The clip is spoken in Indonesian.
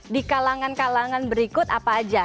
di kalangan kalangan berikut apa aja